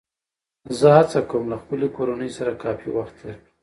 زه هڅه کوم له خپلې کورنۍ سره کافي وخت تېر کړم